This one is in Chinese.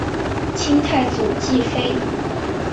清太祖继妃。